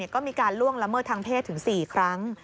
ก็มีการล่วงละเมิดทางเพศถึง๔ครั้ง